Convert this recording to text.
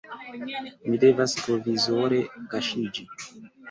Mi devas provizore kaŝiĝi.